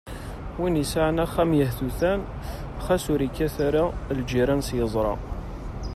Win yesɛan axxam yehtutan, xas ur yekkat ara lǧiran s yeẓra